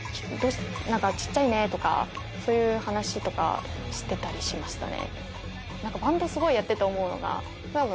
ちっちゃいねとかそういう話とかしてたりしましたね